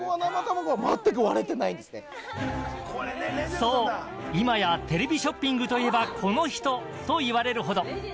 そう今やテレビショッピングといえばこの人と言われるほど。